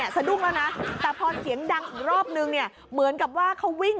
สะดุ้งแล้วนะแต่พอเสียงดังอีกรอบนึงเนี่ยเหมือนกับว่าเขาวิ่ง